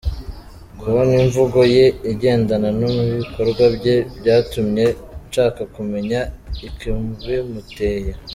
Kubona imvugo ye igendana n’ ibikorwa bye, byatumye nshaka kumenya ikibimuteye.